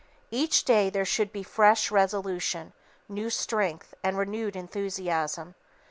Each day there should be fresh resolution, new strength, and renewed enthusiasm.